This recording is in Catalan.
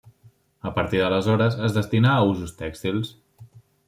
A partir d’aleshores, es destinà a usos tèxtils.